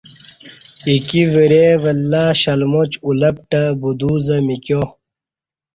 ا ایکی ورے ولہّ شلماچ ا لپ ٹہ بدو زہ میکیا